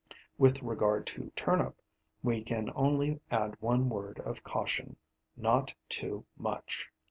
With regard to turnip, we can only add one word of caution not too much.